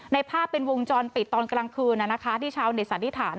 ในภาพเป็นวงจรปิดตอนกลางคืนในเช้าอเงสันธิฐาน